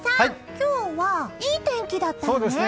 今日はいい天気だったよね！